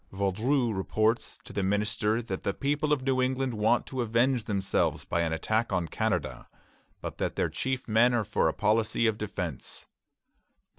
Vaudreuil reports to the minister that the people of New England want to avenge themselves by an attack on Canada, but that their chief men are for a policy of defence.